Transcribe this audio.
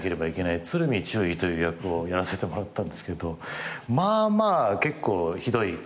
鶴見中尉という役をやらせてもらったんですけどまあまあ結構ひどい顔なんですね。